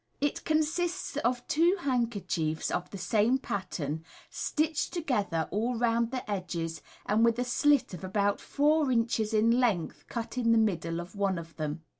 It consists of two handkerchiefs, ol the same pattern, stitched to gether all round the edges, and with a slit of about four inches in length cut in the middle of one of them.